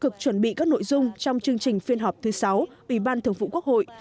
thực chuẩn bị các nội dung trong chương trình phiên họp thứ sáu ủy ban thường vụ quốc hội